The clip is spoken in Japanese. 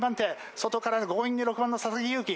外から強引に６番の佐々木悠葵。